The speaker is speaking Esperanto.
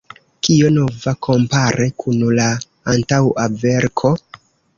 Kio nova kompare kun la antaŭa verko?